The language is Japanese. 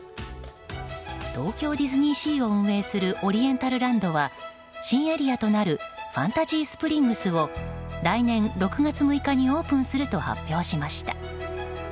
東京ディズニーシーを運営するオリエンタルランドは新エリアとなるファンタジースプリングスを来年６月６日にオープンすると発表しました。